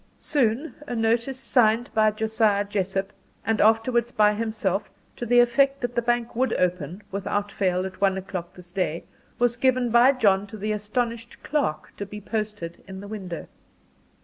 Soon a notice, signed by Josiah Jessop, and afterwards by himself, to the effect that the bank would open, "without fail," at one o'clock this day, was given by John to the astonished clerk, to be posted in the window.